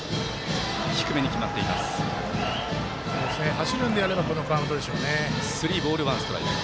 走るのであればこのカウントですね。